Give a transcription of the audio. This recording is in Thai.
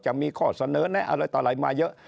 จะมีข้อเสนออะไรมาเยอะ